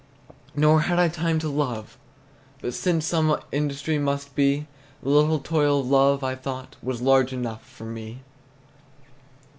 Nor had I time to love; but since Some industry must be, The little toil of love, I thought, Was large enough for me.